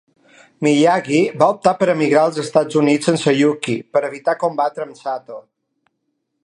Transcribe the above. Miyagi va optar per emigrar als Estats Units sense Yuki, per evitar combatre amb Sato.